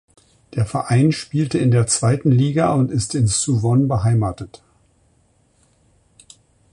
Der Verein spielte in der zweiten Liga und ist in Suwon beheimatet.